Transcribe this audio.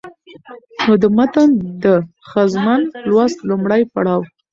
نو د متن د ښځمن لوست لومړى پړاو